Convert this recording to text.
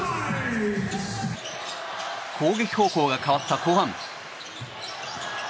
攻撃方向が変わった後半。